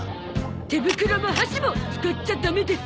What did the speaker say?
手袋も箸も使っちゃダメです。